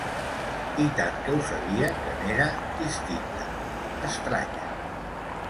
I tant que ho sabia, que n'era, distinta, estranya.